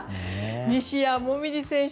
西矢椛選手